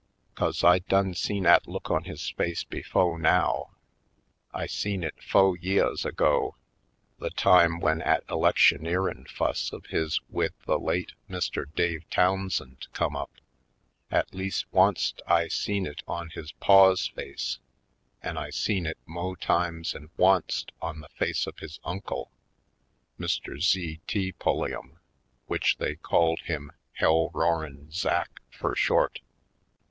" 'Cause I done seen 'at look on his face befo' now; I seen it fo' yeahs ago, the time w'en 'at electioneerin' fuss of his wid the late Mr. Dave Townsend come up. At leas' once't I seen it on his paw's face an' I seen it mo' times 'en once't on the face of his uncle, Mr. Z. T. Pulliam, w'ich they called him Hell Roarin' Zack fur short.